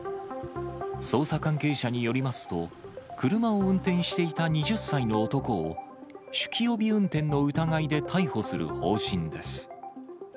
捜査関係者によりますと、車を運転していた２０歳の男を酒気帯び運転の疑いで逮捕する方針